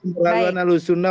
berhaluan nahdlatul sunnah